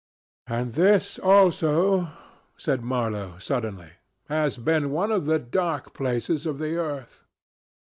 "And this also," said Marlow suddenly, "has been one of the dark places of the earth."